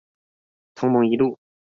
同盟一路